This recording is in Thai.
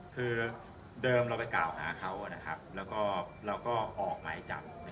คือเดิมเราไปกล่าวหาเขาแล้วก็ออกไม้จับ